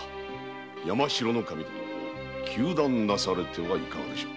山城守に糾弾なされてはいかがでしょう？